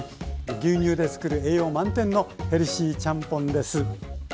牛乳で作る栄養満点のヘルシーちゃんぽんです。